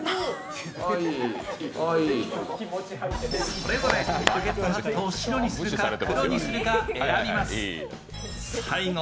それぞれバケットハットを白にするか黒にするか選びます。